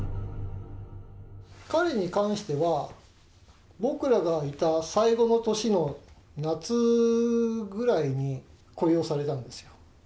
彼に関しては、僕らがいた最後の年の夏ぐらいに雇用されたんですよ。